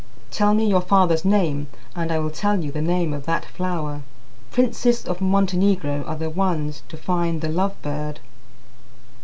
"Tell me your father's name, and I will tell you the name of that flower." PRINCES of Montenegro are the ones to find the love bird.